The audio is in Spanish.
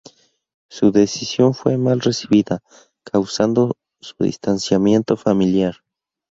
Su decisión fue mal recibida, causando su distanciamiento familiar.